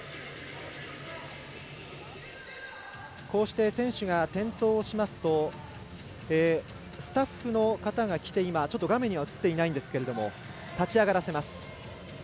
こうして、選手が転倒しますとスタッフの方が来て画面には映っていないんですが立ち上がらせます。